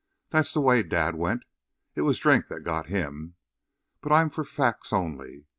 That's the way Dad went. It was drink that got him. But I'm for facts only.